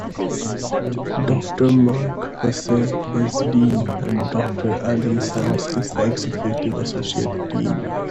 Doctor Mark Hussey is dean and Doctor Alan Sams is the executive associate dean.